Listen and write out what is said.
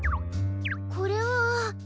これは。